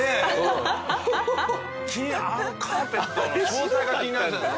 あのカーペットの詳細が気になりますよね。